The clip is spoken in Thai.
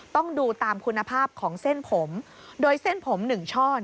ต้องดูตามคุณภาพของเส้นผมโดยเส้นผม๑ช่อ